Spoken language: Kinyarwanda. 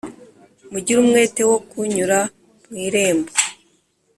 Mugire umwete wo kunyura mu irembo